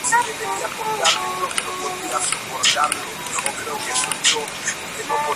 Danger, You're in danger.